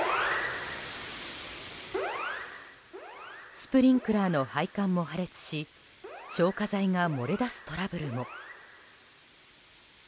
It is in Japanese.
スプリンクラーの配管も破裂し消火剤が漏れ出すトラブルも。